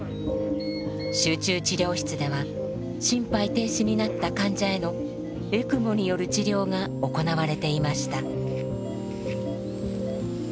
集中治療室では心肺停止になった患者へのエクモによる治療が行われていました。